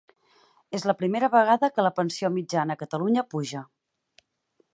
És la primera vegada que la pensió mitjana a Catalunya puja